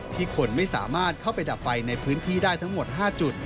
คนไม่สามารถเข้าไปดับไฟในพื้นที่ได้ทั้งหมด๕จุด